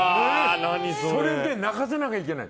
それで泣かせなきゃいけない。